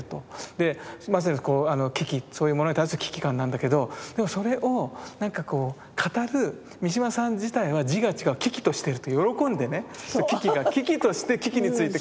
でまさにこう「危機」そういうものに対する危機感なんだけどでもそれを何かこう語る三島さん自体は字が違う「嬉々」としてるという喜んでね危機が嬉々として危機について語ってて。